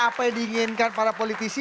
apa yang diinginkan para politisi